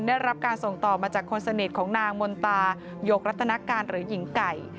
ได้รับการส่งต่อมาจากคนสนิทของนางมนตายกรัตนการหรือหญิงไก่